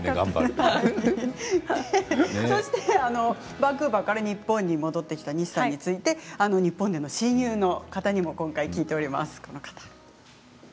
バンクーバーから日本に戻ってきた西さんについて日本の親友の方にも聞いています。